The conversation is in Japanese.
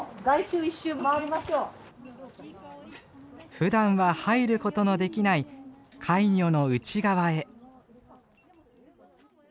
ふだんは入ることのできないカイニョの内側へ。